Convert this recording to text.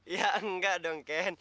ya enggak dong ken